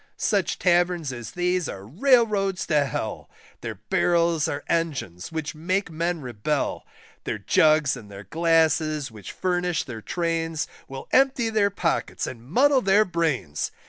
Such Taverns as these are Railroads to Hell, Their barrels are engines which make men rebel; Their jugs and their glasses which furnish their Trains, Will empty their pockets and muddle their brains.